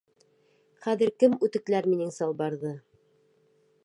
Хәҙер кем үтекләр минең салбарҙы?